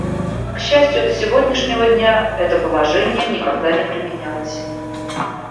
К счастью, до сегодняшнего дня это положение никогда не применялось.